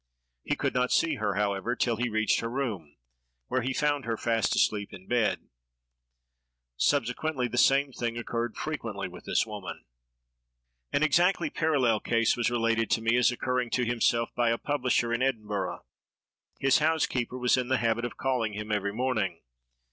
He could not see her, however, till he reached her room, where he found her fast asleep in bed. Subsequently, the same thing occurred frequently with this woman. An exactly parallel case was related to me, as occurring to himself, by a publisher in Edinburgh. His housekeeper was in the habit of calling him every morning.